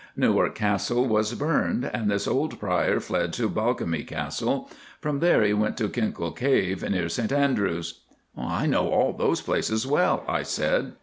Newark Castle was burned, and this old Prior fled to Balcomie Castle. From there he went to Kinkell Cave near St Andrews. "I know all those places well," I said.